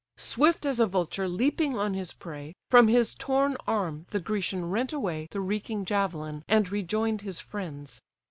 Swift as a vulture leaping on his prey, From his torn arm the Grecian rent away The reeking javelin, and rejoin'd his friends.